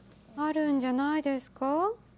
あるんじゃないですか？